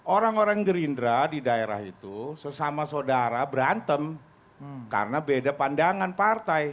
orang orang gerindra di daerah itu sesama saudara berantem karena beda pandangan partai